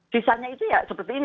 sisanya itu ya seperti ini